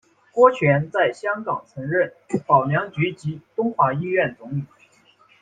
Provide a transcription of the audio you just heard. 郭泉在香港曾任保良局及东华医院总理。